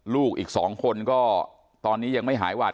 ลูกอีก๒คนก็ตอนนี้ยังไม่หายหวาด